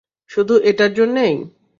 শুধু এটার জন্যেই?